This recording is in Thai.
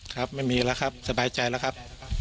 ครับไม่มีแล้วครับสบายใจแล้วครับ